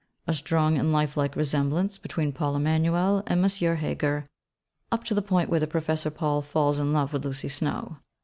A strong and lifelike resemblance, between Paul Emanuel and M. Heger, up to the point when the Professor Paul falls in love with Lucy Snowe.